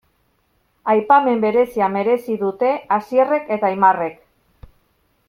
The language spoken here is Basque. Aipamen berezia merezi dute Asierrek eta Aimarrek.